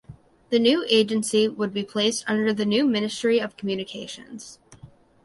The new agency would be placed under the new Ministry of Communications.